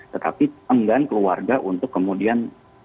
tetapi enggan keluarga untuk kemudian